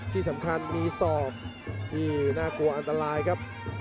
ที่สำคัญมีศอกที่น่ากลัวอันตรายครับ